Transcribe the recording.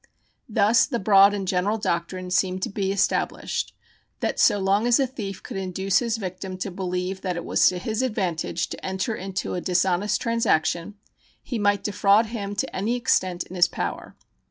Thus the broad and general doctrine seemed to be established that so long as a thief could induce his victim to believe that it was to his advantage to enter into a dishonest transaction, he might defraud him to any extent in his power.